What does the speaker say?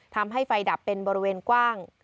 ทำให้ไฟดับเป็นบริเวณกว้าง